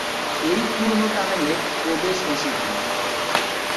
এই পুরোনো টানেলে প্রবেশ নিষিদ্ধ।